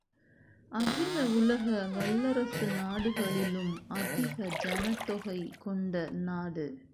அகில உலக வல்லரசு நாடுகளிலும் அதிக ஜனத்தொகை கொண்ட நாடு.